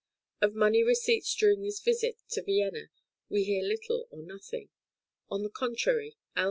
Of money receipts during this visit to Vienna we hear little or nothing; on the contrary, L.